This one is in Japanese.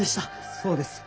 そうです。